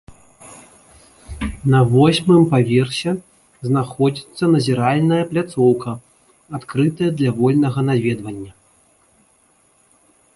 На восьмым паверсе знаходзіцца назіральная пляцоўка, адкрытая для вольнага наведвання.